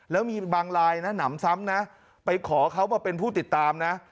แล้วมีบางลายนะหนำซ้ำนะไปขอเขามาเป็นผู้ติดตามนะ